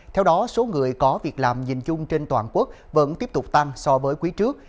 theo đó số người có việc làm nhìn chung trên toàn quốc vẫn tiếp tục tăng so với quý trước